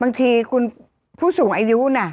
บางทีคุณผู้สูงอายุน่ะ